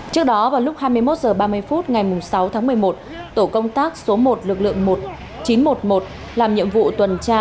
trước đó vào lúc hai mươi một h ba mươi phút ngày sáu tháng một mươi một tổ công tác số một lực lượng chín trăm một mươi một làm nhiệm vụ tuần tra